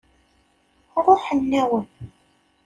Ṛuḥen-awen.